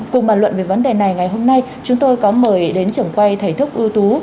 cùng bàn luận về vấn đề này ngày hôm nay chúng tôi có mời đến trưởng quay thầy thuốc ưu tú